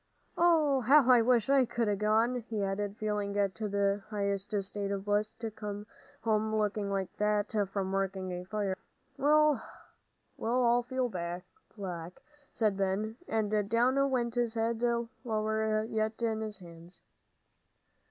How I wish I could 'a' gone!" he added, feeling it the highest state of bliss to come home looking like that from working in a fire. "Well, I feel black," said Ben, and down went his head lower yet in his hands.